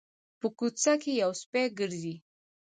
په کوڅه کې یو سپی ګرځي